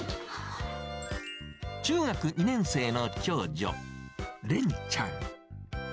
中学２年生の長女、恋ちゃん。